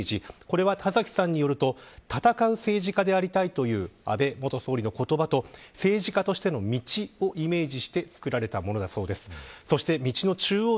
さらには、黄色い部分がありますが、ここは道をイメージ田崎さんによると、闘う政治家でありたいという安倍元総理の言葉と政治家としての道をイメージして作られたものだそうです。